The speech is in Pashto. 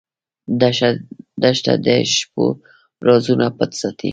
دښته د شپو رازونه پټ ساتي.